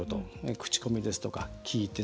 口コミですとか聞いて。